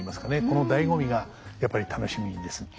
この醍醐味がやっぱり楽しみですね。